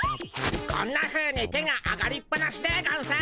こんなふうに手が上がりっぱなしでゴンス。